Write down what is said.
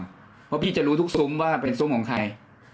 เพราะพี่จะรู้ทุกซุ้มว่าเป็นซุ้มของใคร